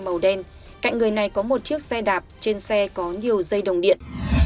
màu đen cạnh người này có một chiếc xe đạp trên xe có nhiều dây đồng điện